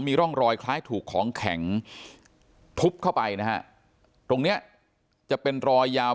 มีร่องรอยคล้ายถูกของแข็งทุบเข้าไปนะฮะตรงเนี้ยจะเป็นรอยยาว